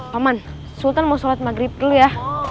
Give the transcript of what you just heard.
paman sultan mau sholat maghrib dulu ya